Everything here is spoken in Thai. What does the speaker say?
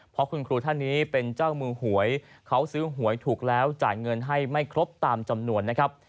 เพราะคุณครูท่านนี้เป็นเจ้ามือหวยเขาซื้อหวยถูกแล้วจ่ายเงินให้ไม่ครบตามจำนวนนะครับ